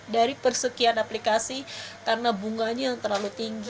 dari persekian aplikasi karena bunganya yang terlalu tinggi